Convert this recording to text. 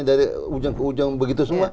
dari ujung ke ujung begitu semua